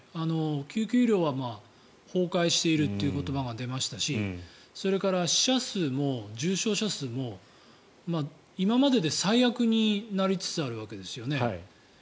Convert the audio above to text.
救急医療は崩壊しているという言葉が出ましたしそれから、死者数も重症者数も今までで最悪になりつつあるわけですよね。